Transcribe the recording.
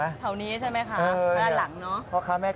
เขานี้ใช่ไหมคะร้านหลัง